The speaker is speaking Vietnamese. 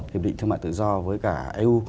hiệp định thương mại tự do với cả eu